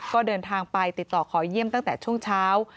ก็เดินทางไปติดต่อขอเยี่ยมตั้งแต่ช่วงเช้า